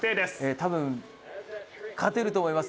たぶん勝てると思います。